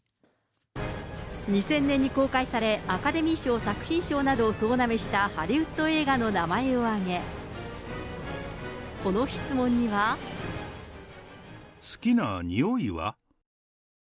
２０００年に公開され、アカデミー賞作品賞などを総なめしたハリウッド映画の名前を挙げ、この質問には。好きな匂いは？